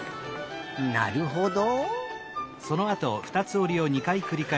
なるほど。